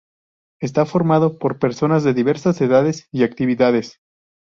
Está formado por personas de diversas edades y actividades.